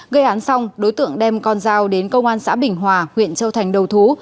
gây án xong đối tượng đem con dao đến công an xã bình hòa huyện châu thành đầu thú